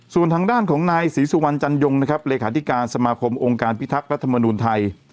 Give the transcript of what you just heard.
ส่วนทางด้านของนายศรีสุวรรณจันยงนะครับเลขาธิการสมาคมองค์การพิทักษ์รัฐมนุนไทย